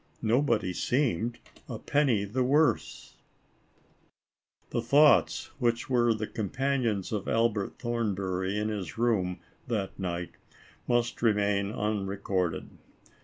Nobody seemed a penny the worse !" The thoughts, which were the companions of Albert Thornbury in his room, that night, must remain unrecorded.